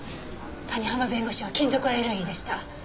谷浜弁護士は金属アレルギーでした。